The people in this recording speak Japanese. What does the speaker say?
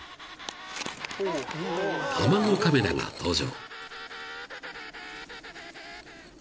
［卵カメラが登場］